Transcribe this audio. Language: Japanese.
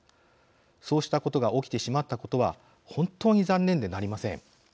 そうしたことが起きてしまったことは本当に残念でなりません。